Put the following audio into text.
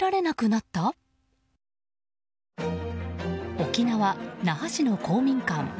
沖縄・那覇市の公民館。